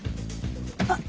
あっ！